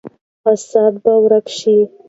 فساد به ورک شي.